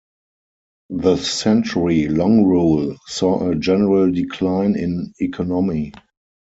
The century long rule saw a general decline in economy.